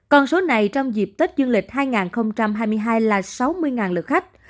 còn số này trong dịp tết du lịch hai nghìn hai mươi hai là sáu mươi lượt khách